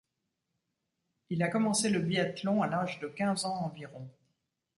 Il a commencé le biathlon à l'âge de quinze ans environ.